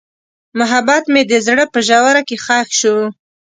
محبت مې د زړه په ژوره کې ښخ شو.